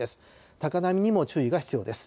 高波にも注意が必要です。